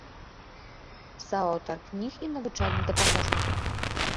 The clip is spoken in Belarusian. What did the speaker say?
Сааўтар кніг і навучальных дапаможнікаў.